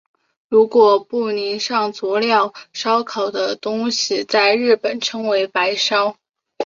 如果不淋上佐料烧烤的东西在日本称为白烧。